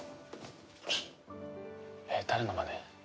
えっ誰のまね？